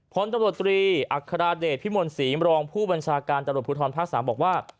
พลตำรวจตรีอัครเดชพิมลศรีมรองผู้บัญชาการตำรวจภูทรภาค๓บอกว่า